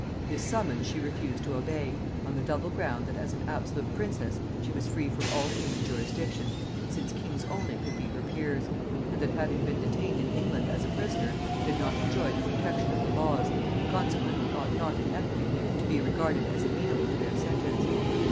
This summons she refused to obey, on the double ground, that as an absolute princess she was free from all human jurisdiction, since kings only could be her peers; and that having been detained in England as a prisoner, she had not enjoyed the protection of the laws, and consequently ought not in equity to be regarded as amenable to their sentence.